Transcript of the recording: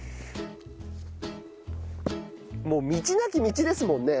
もう道なき道ですもんね。